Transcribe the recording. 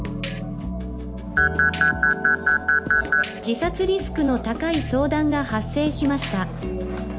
「自殺リスクの高い相談が発生しました」。